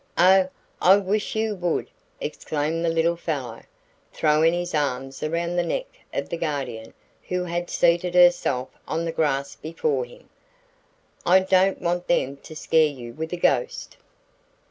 "Oh, I wish you would," exclaimed the little fellow, throwing his arms around the neck of the Guardian who had seated herself on the grass before him. "I don't want them to scare you with a ghost."